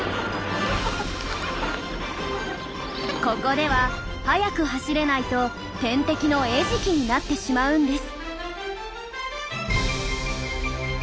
ここでは速く走れないと天敵の餌食になってしまうんです。